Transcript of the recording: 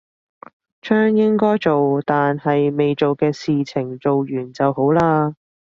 將應該做但係未做嘅事情做完就好啦